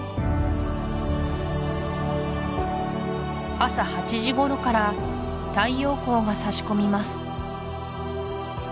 朝８時頃から太陽光がさし込みます